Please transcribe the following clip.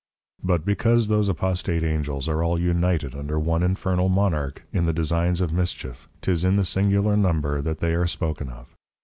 But because those Apostate Angels, are all United, under one Infernal Monarch, in the Designs of Mischief, 'tis in the Singular Number, that they are spoken of.